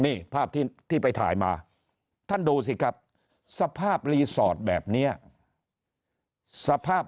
นี่ภาพที่ไปถ่ายมาท่านดูสิครับสภาพรีสอร์ทแบบนี้สภาพ